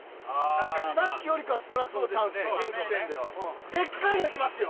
確かにさっきよりかは少なくともチャンスデッカいのいきますよ